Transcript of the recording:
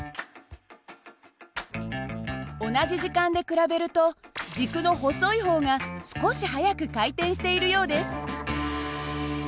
同じ時間で比べると軸の細い方が少し速く回転しているようです。